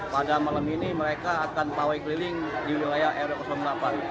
pada malam ini mereka akan pawai keliling di wilayah rw delapan